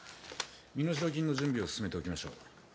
身代金の準備を進めておきましょう。